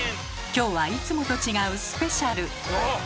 今日はいつもと違うスペシャル！